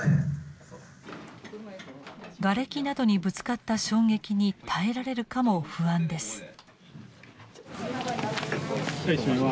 がれきなどにぶつかった衝撃に耐えられるかも不安です。